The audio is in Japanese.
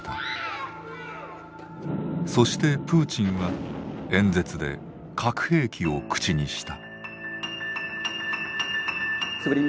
そしてプーチンは演説で核兵器を口にした。